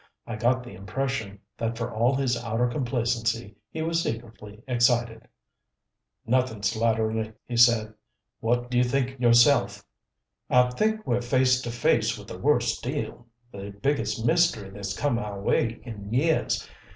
I got the impression that for all his outer complacency he was secretly excited. "Nothing, Slatterly," he said. "What do you think yourself?" "I think we're face to face with the worst deal, the biggest mystery that's come our way in years.